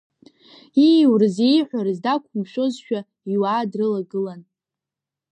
Ииурыз-ииҳәарыз дақәымшәозшәа, иуаа дрылагылан.